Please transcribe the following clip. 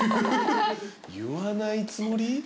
言わないつもり？